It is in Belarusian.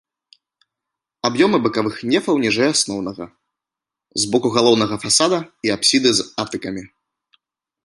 Аб'ёмы бакавых нефаў ніжэй асноўнага, з боку галоўнага фасада і апсіды з атыкамі.